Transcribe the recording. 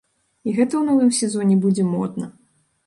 І гэта ў новым сезоне будзе модна.